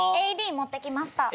ＡＥＤ持ってきました。